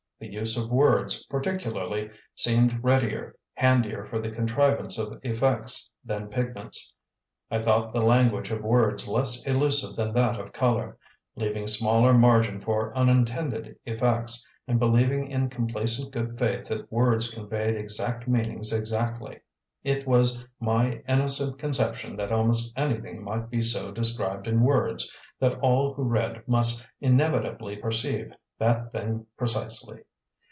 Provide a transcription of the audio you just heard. The use of words, particularly, seemed readier, handier for the contrivance of effects than pigments. I thought the language of words less elusive than that of colour, leaving smaller margin for unintended effects; and, believing in complacent good faith that words conveyed exact meanings exactly, it was my innocent conception that almost anything might be so described in words that all who read must inevitably perceive that thing precisely.